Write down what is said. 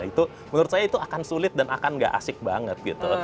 itu menurut saya itu akan sulit dan akan gak asik banget gitu